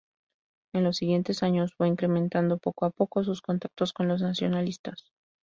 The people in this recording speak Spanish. En los siguientes años fue incrementando poco a poco sus contactos con los nacionalsocialistas.